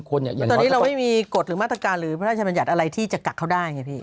ตอนนี้เราไม่มีกฎหรือมาตรการหรือพระราชบัญญัติอะไรที่จะกักเขาได้ไงพี่